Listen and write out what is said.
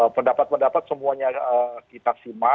pendapat pendapat semuanya kita simak